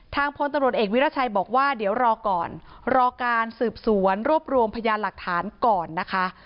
พลตำรวจเอกวิราชัยบอกว่าเดี๋ยวรอก่อนรอการสืบสวนรวบรวมพยานหลักฐานก่อนนะคะ